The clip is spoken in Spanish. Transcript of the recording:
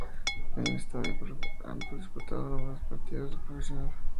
En el estadio se han disputado numerosos partidos de fútbol profesional.